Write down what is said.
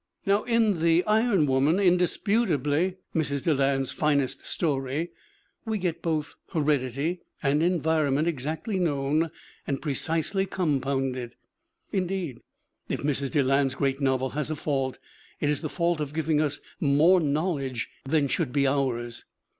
Now in Tfo Iron Woman, indisputably Mrs. De land's finest story, we get both heredity and environ ment exactly known and precisely compounded. In deed, if Mrs. Deland's great novel has a fault it is the fault of giving us more knowledge than should be ours.